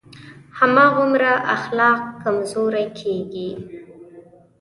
هماغومره اخلاق کمزوری کېږي.